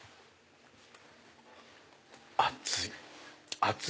熱い。